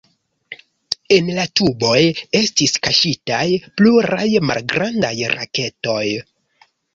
En la tuboj estis kaŝitaj pluraj malgrandaj raketoj.